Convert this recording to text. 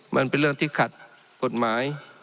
มันเป็นเรื่องที่ขัดกฎหมาย